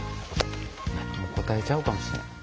答えちゃうかもしれん。